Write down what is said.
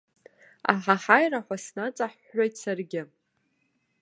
Аҳаҳаира ҳәа снаҵаҳәҳәеит саргьы.